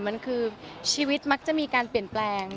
มันคือชีวิตมักจะมีการเปลี่ยนแปลง